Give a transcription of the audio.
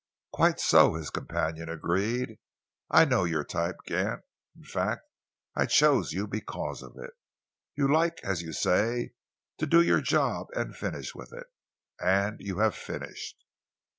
"Quite so," his companion agreed. "I know your type, Gant, in fact, I chose you because of it. You like, as you say, to do your job and finish with it, and you have finished."